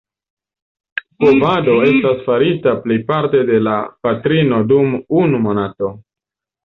Kovado estas farita plejparte de la patrino dum unu monato.